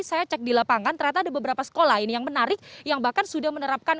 saya cek di lapangan ternyata ada beberapa sekolah ini yang menarik yang bahkan sudah menerapkan